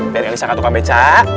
ternyata ini saya akan tukang beca